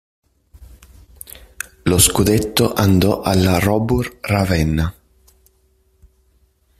Lo scudetto andò alla Robur Ravenna.